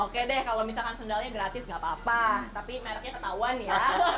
oke deh kalau misalkan sendalnya gratis nggak apa apa tapi merknya ketahuan ya